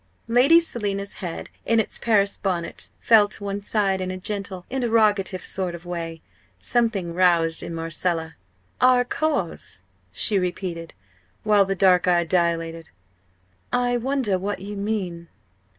Lady Selina's head in its Paris bonnet fell to one side in a gentle interrogative sort of way. Something roused in Marcella. "Our cause?" she repeated, while the dark eye dilated "I wonder what you mean?"